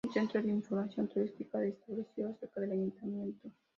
Hay un Centro de Información Turística se estableció cerca del Ayuntamiento.